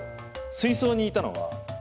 水槽にいたのは。